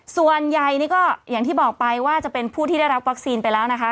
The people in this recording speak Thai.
ส่วนใหญ่นี่ก็อย่างที่บอกไปว่าจะเป็นผู้ที่ได้รับวัคซีนไปแล้วนะคะ